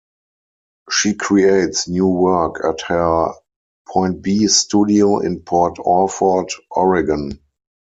She creates new work at her Point B Studio in Port Orford, Oregon.